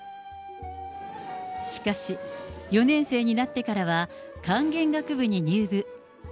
しかし、４年生になってからは、管弦楽部に入部。